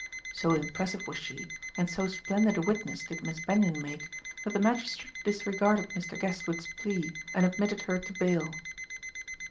So impressive was she, and so splendid a witness did Miss Benyon make, that the magistrate disregarded Mr. Guestwick's plea and admitted her to bail.